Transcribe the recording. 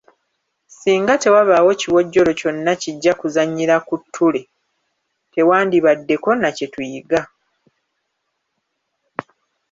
Singa tewabaawo kiwojjolo kyonna kijja kuzannyira ku ttule, tewandibaddeko na kye tuyiga.